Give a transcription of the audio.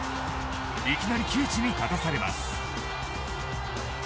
いきなり窮地に立たされます。